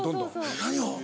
何を？